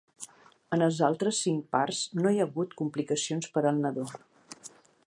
En els altres cinc parts no hi ha hagut complicacions per al nadó.